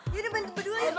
ya bantu berduanya